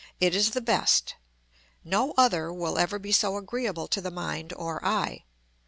It is the best. No other will ever be so agreeable to the mind or eye.